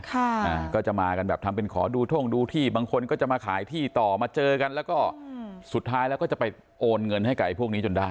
ค่ะอ่าก็จะมากันแบบทำเป็นขอดูท่งดูที่บางคนก็จะมาขายที่ต่อมาเจอกันแล้วก็สุดท้ายแล้วก็จะไปโอนเงินให้กับพวกนี้จนได้